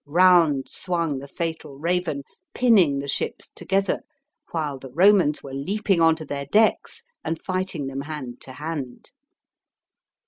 Ptound swung the fatal raven, pinning the ships together, while the Romans were leaping on to their decks, and fighting them hand to hand.